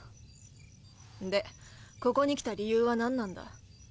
でここに来た理由は何なんだ？